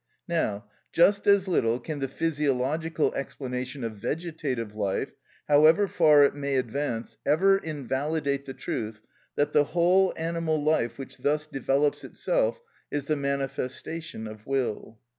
Now, just as little can the physiological explanation of vegetative life (functiones naturales vitales), however far it may advance, ever invalidate the truth that the whole animal life which thus develops itself is the manifestation of will.